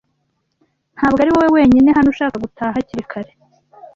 Ntabwo ari wowe wenyine hano ushaka gutaha hakiri kare.